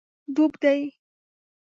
ډوب دی